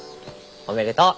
おめでとう。